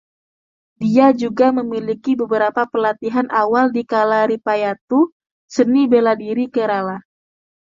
Dia juga memiliki beberapa pelatihan awal di Kalaripayattu, seni bela diri Kerala.